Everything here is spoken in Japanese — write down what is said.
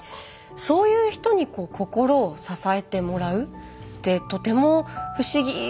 そういう人に心を支えてもらうってとても不思議だなと思うんですけれど。